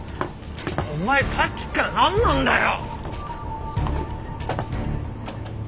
お前さっきからなんなんだよ！？